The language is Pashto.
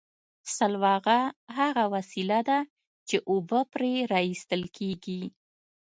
سلواغه هغه وسیله ده چې اوبه پرې را ایستل کیږي